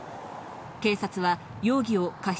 警察は容疑を過失